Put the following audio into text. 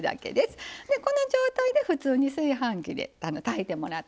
この状態で普通に炊飯器で炊いてもらったらいいです。